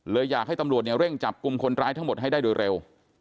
เลยอยากให้ตำหรวจในเร่งจับกลุ่มคนร้ายทั้งหมดให้ได้ร่วมเร็ว